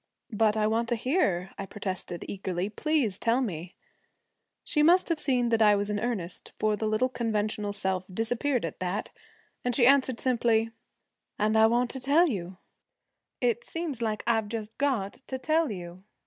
'But I want to hear,' I protested eagerly. 'Please tell me.' She must have seen that I was in earnest, for the little conventional self disappeared at that, and she answered simply, 'And I want to tell you it seems like I've just got to tell you.'